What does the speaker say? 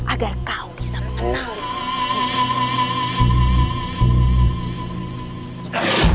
agar kau bisa mengenalimu